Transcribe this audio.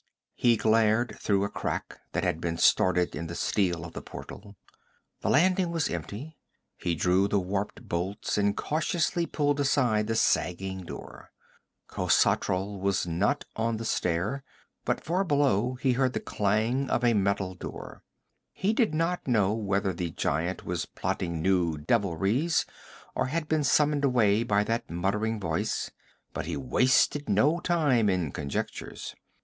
He glared through a crack that had been started in the steel of the portal. The landing was empty. He drew the warped bolts and cautiously pulled aside the sagging door. Khosatral was not on the stair, but far below he heard the clang of a metal door. He did not know whether the giant was plotting new devilries or had been summoned away by that muttering voice, but he wasted no time in conjectures.